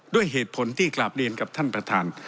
ด้วยเหตุผลที่กราบเรียนกับท่านประธาน